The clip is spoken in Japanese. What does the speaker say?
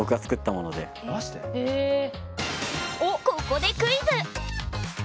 ここでクイズ！